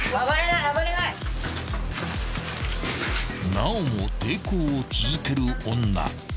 ［なおも抵抗を続ける女。